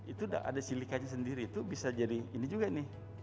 itu udah ada silikanya sendiri itu bisa jadi ini juga nih